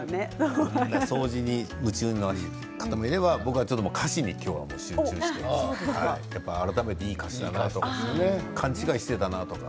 掃除に夢中な方もいれば僕は歌詞に今日は集中してやっぱり改めていい歌詞だなと思って勘違いしていたなとか。